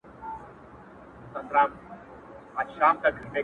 • ما چي د ميني په شال ووهي ويده سمه زه ـ